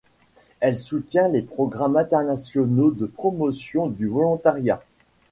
Elle soutient les programmes internationaux de promotion du volontariat.